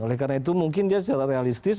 oleh karena itu mungkin dia secara realistis